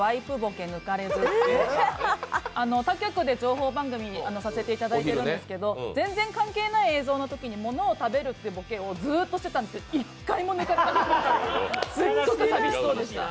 他局で情報番組をさせていただいているんですけど、全然関係ない映像のときに物を食べるというボケをずっとしてたんですけど、１回も抜かれませんでした。